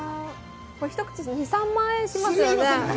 ひと口２３万円しますよね。